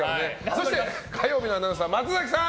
そして金曜日のアナウンサー松崎さん。